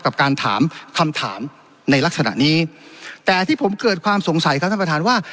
กับการถามคำถามในลักษณะนี้แต่ที่ผมเกิดความสงสัยครับท่านประธานว่า